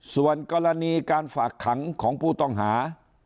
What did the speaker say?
ส่วนกรณีการฝากขังของผู้ต้องหา